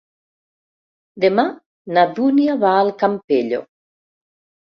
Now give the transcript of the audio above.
Demà na Dúnia va al Campello.